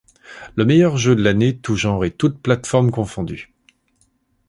Le meilleur jeu de l'année tous genres et toutes plates-formes confondues.